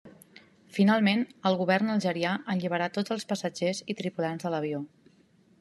Finalment, el Govern algerià alliberà tots els passatgers i tripulants de l'avió.